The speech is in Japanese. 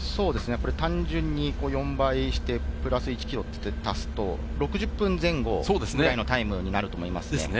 単純に４倍して、プラス１ｋｍ足すと６０分前後ぐらいのタイムになると思います。